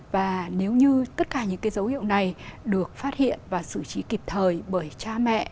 và nếu như tất cả những cái dấu hiệu này được phát hiện và xử trí kịp thời bởi cha mẹ